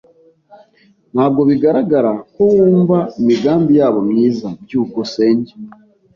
Ntabwo bigaragara ko wumva imigambi yabo myiza. byukusenge